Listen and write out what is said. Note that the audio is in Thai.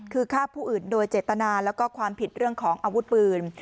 คือฆ่าผู้อื่นโดยเจตนาแล้วก็ความผิดเรื่องของอาวุธปืน